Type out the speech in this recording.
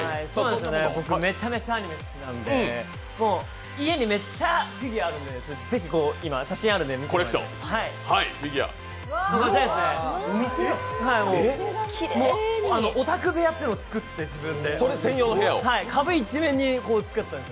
僕、めちゃめちゃアニメ好きなんで、家にめっちゃフィギュアがあるので、ぜひ今、写真Ｒので見ていただきたいです。